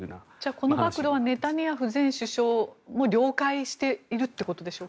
この暴露はネタニヤフ前首相も了解しているということでしょうか。